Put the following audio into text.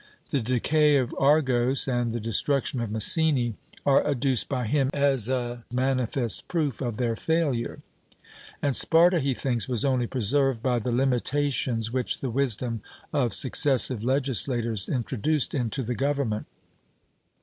The decay of Argos and the destruction of Messene are adduced by him as a manifest proof of their failure; and Sparta, he thinks, was only preserved by the limitations which the wisdom of successive legislators introduced into the government.